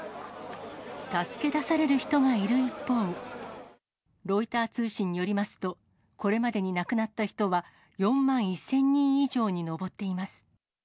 助け出される人がいる一方、ロイター通信によりますと、これまでに亡くなった人は４万１０００人以上に上っています。